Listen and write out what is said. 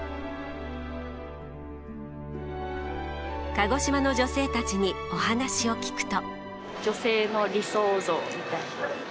鹿児島の女性たちにお話を聞くと。